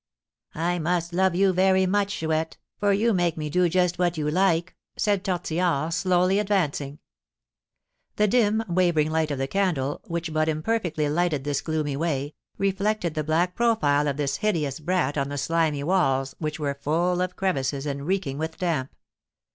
"I must love you very much, Chouette, for you make me do just what you like," said Tortillard, slowly advancing. The dim, wavering light of the candle, which but imperfectly lighted this gloomy way, reflected the black profile of this hideous brat on the slimy walls, which were full of crevices and reeking with damp.